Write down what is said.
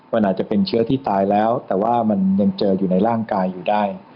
มันอาจจะเป็นเชื้อที่ตายแล้วแต่ว่ามันยังเจออยู่ในร่างกายอยู่ได้